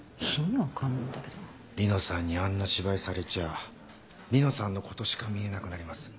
梨乃さんにあんな芝居されちゃ梨乃さんのことしか見えなくなります。